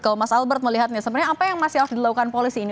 kalau mas albert melihatnya sebenarnya apa yang masih harus dilakukan polisi ini